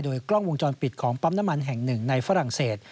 กล้องวงจรปิดของปั๊มน้ำมันแห่งหนึ่งในฝรั่งเศส